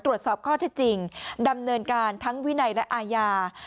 ตรวจสอบข้อเท็จจริงดำเนินการทั้งวินัยและอาญา